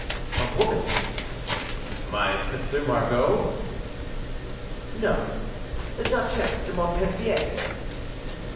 "A woman." "My sister Margot?" "No; the Duchesse de Montpensier."